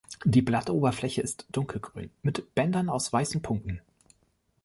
Die Blattoberfläche ist dunkelgrün mit Bändern aus weißen Punkten.